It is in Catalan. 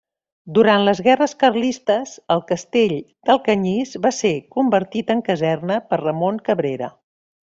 Durant les guerres carlistes, el castell d'Alcanyís va ser convertit en caserna per Ramon Cabrera.